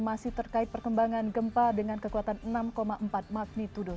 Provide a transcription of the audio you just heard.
masih terkait perkembangan gempa dengan kekuatan enam empat magnitudo